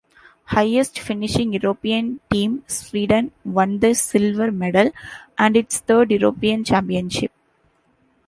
Highest finishing European team Sweden won the silver medal and its third European Championship.